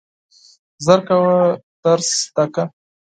ژر کوه درس زده کړه !